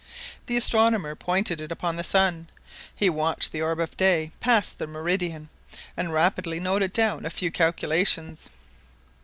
The astronomer pointed it upon the sun; he watched the orb of day pass the meridian, and rapidly noted down a few calculations.